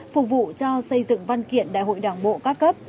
phục vụ cho xây dựng văn kiện đại hội đảng bộ các cấp